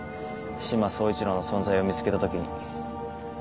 志摩総一郎の存在を見つけたときに。